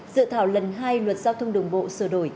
dự thảo lần hai luật giao thông đường bộ sửa đổi